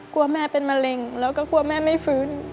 กลัวแม่เป็นมะเร็งแล้วก็กลัวแม่ไม่ฟื้น